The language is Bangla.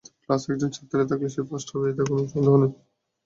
ক্লাসে একজন ছাত্র থাকলে সে-ই ফার্স্ট হবে, এতে কোনো সন্দেহ নেই।